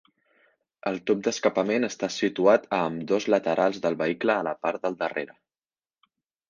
El tub d'escapament està situat a ambdós laterals del vehicle a la part del darrere.